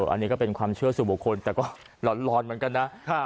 อันนี้ก็เป็นความเชื่อสู่บุคคลแต่ก็ร้อนเหมือนกันนะ